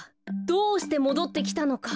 どうしてもどってきたのか。